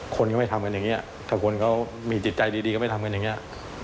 คนก็ไม่ทำกันอย่างนี้ถ้าคนเขามีจิตใจดีก็ไม่ทำกันอย่างนี้